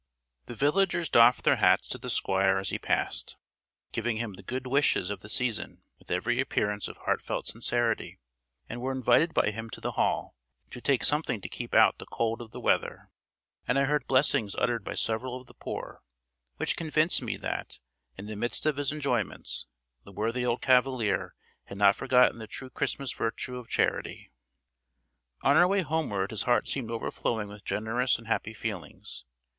The villagers doffed their hats to the Squire as he passed, giving him the good wishes of the season with every appearance of heartfelt sincerity, and were invited by him to the hall, to take something to keep out the cold of the weather; and I heard blessings uttered by several of the poor, which convinced me that, in the midst of his enjoyments, the worthy old cavalier had not forgotten the true Christmas virtue of charity. On our way homeward his heart seemed overflowing with generous and happy feelings.